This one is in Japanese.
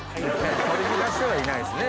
取り乱してはいないですね。